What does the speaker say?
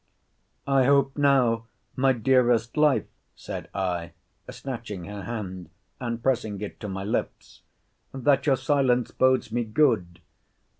I hope now, my dearest life, said I, snatching her hand, and pressing it to my lips, that your silence bodes me good.